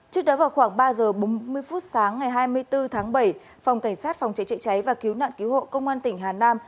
trước đó vào khoảng ba giờ bốn mươi phút sáng ngày hai mươi bốn tháng bảy phòng cảnh sát phòng cháy chữa cháy và cứu nạn cứu hộ công an tỉnh hà nam